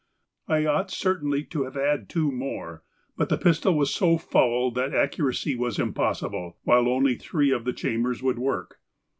I ought certainly to have had two more, but the pistol was so foul that accuracy was impossible, while only three of the chambers would work.